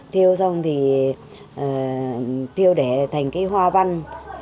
thiêu xong thì thiêu để thành cái hoa văn